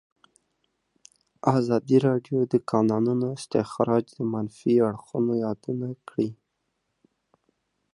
ازادي راډیو د د کانونو استخراج د منفي اړخونو یادونه کړې.